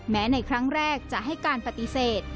ในครั้งแรกจะให้การปฏิเสธ